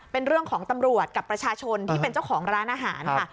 เป็นเรื่องของตำรวจกับประชาชนที่เป็นเจ้าของร้านอาหารค่ะ